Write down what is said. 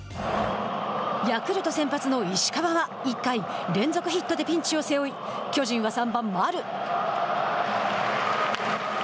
ヤクルト先発の石川は１回連続ヒットでピンチを背負い巨人は３番丸。